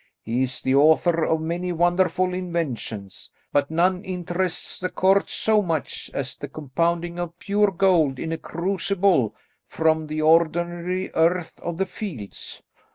He is the author of many wonderful inventions, but none interests the court so much as the compounding of pure gold in a crucible from the ordinary earth of the fields."